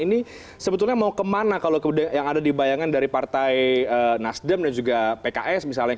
ini sebetulnya mau kemana kalau yang ada di bayangan dari partai nasdem dan juga pks misalnya